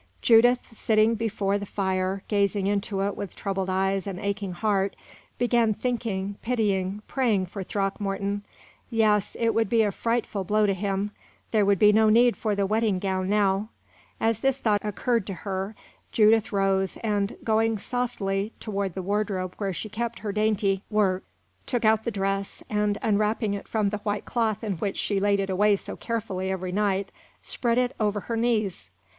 Judith, sitting before the fire, gazing into it with troubled eyes and aching heart, began thinking, pitying, praying for Throckmorton. Yes, it would be a frightful blow to him. There would be no need for the wedding gown now. As this thought occurred to her, Judith rose and, going softly toward the wardrobe where she kept her dainty work, took out the dress, and, unwrapping it from the white cloth in which she laid it away so carefully every night, spread it over her knees.